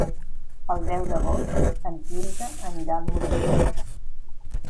El deu d'agost en Quirze anirà al Morell.